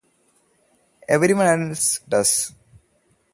Everyone else does.